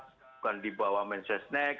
bukan di bawah mensesnek